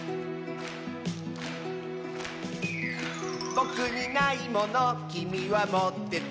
「ぼくにないものきみはもってて」